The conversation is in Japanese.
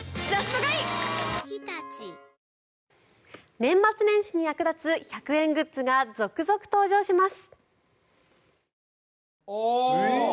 年末年始に役立つ１００円グッズが続々登場します。